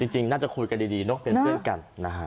จริงน่าจะคุยกันดีนกเป็นเพื่อนกัน